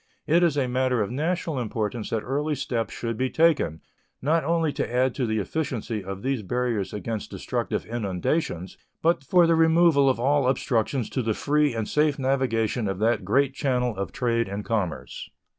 It is a matter of national importance that early steps should be taken, not only to add to the efficiency of these barriers against destructive inundations, but for the removal of all obstructions to the free and safe navigation of that great channel of trade and commerce.